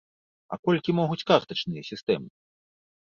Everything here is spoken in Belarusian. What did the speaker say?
А колькі могуць картачныя сістэмы?